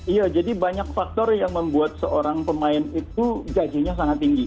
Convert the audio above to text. iya jadi banyak faktor yang membuat seorang pemain itu gajinya sangat tinggi